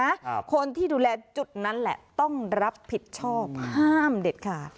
ครับคนที่ดูแลจุดนั้นแหละต้องรับผิดชอบห้ามเด็ดขาด